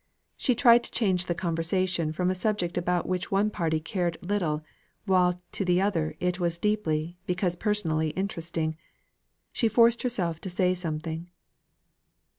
She tried to change the conversation from a subject about which one party cared little, while, to the other, it was deeply, because personally, interesting. She forced herself to say something.